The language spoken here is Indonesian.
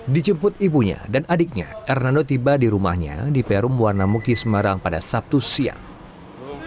dijemput ibunya dan adiknya hernando tiba di rumahnya di perum warna muki semarang pada sabtu siang